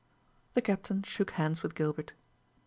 The Captain shook hands with Gilbert.